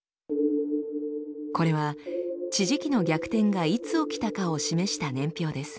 これは地磁気の逆転がいつ起きたかを示した年表です。